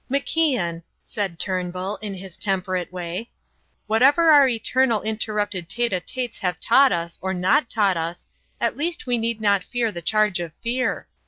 "MacIan," said Turnbull, in his temperate way, "whatever our eternal interrupted tete a tetes have taught us or not taught us, at least we need not fear the charge of fear.